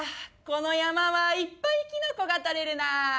この山はいっぱいキノコが採れるな。